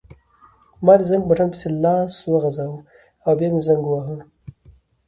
ما د زنګ په بټن پسې لاس وروغځاوه او بیا مې زنګ وواهه.